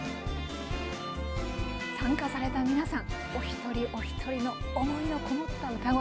参加された皆さんお一人お一人の思いのこもった歌声